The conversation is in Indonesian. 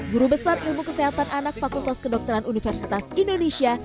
guru besar ilmu kesehatan anak fakultas kedokteran universitas indonesia